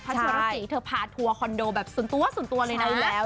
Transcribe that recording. พระชวรสิเธอพาทัวร์คอนโดแบบส่วนตัวเลยนะใช่แล้ว